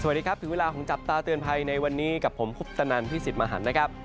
สวัสดีครับถึงเวลาของจับตาเตือนภัยในวันนี้กับผมคุปตนันพี่สิทธิ์มหันนะครับ